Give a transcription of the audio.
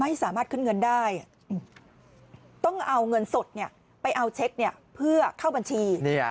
ไม่สามารถขึ้นเงินได้ต้องเอาเงินสดไปเอาเช็คเพื่อเข้าบัญชี